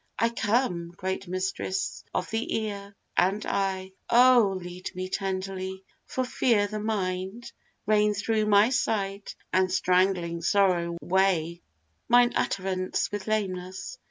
I come, Great mistress of the ear and eye: Oh! lead me tenderly, for fear the mind Rain thro' my sight, and strangling sorrow weigh Mine utterance with lameness.